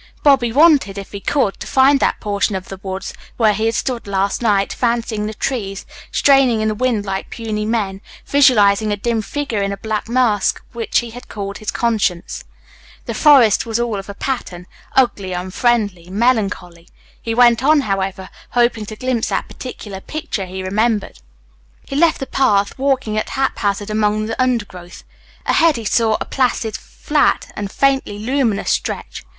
Bobby wanted, if he could, to find that portion of the woods where he had stood last night, fancying the trees straining in the wind like puny men, visualizing a dim figure in a black mask which he had called his conscience. The forest was all of a pattern ugly, unfriendly, melancholy. He went on, however, hoping to glimpse that particular picture he remembered. He left the path, walking at haphazard among the undergrowth. Ahead he saw a placid, flat, and faintly luminous stretch.